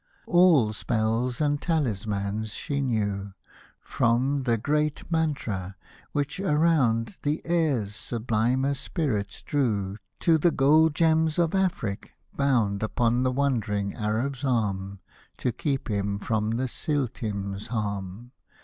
All spells and taHsmans she knew, From the great Mantra, which around The Air's sublimer Spirits drew, To the gold gems of Afric, bound Upon the wandering Arab's arm. To keep him from the Siltim's harm.